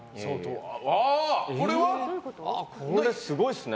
これはすごいですね。